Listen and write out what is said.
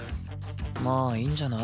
まあいいんじゃない？